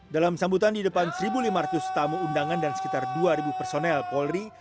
dalam sambutan di depan satu lima ratus tamu undangan dan sekitar dua personel polri